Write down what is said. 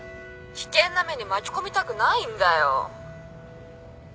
危険な目に巻き込みたくないんだよ。